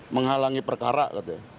menghalangi perkara katanya